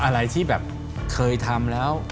อะไรที่แบบเคยทำแล้ว